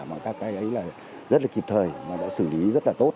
mà các cái ấy là rất là kịp thời mà đã xử lý rất là tốt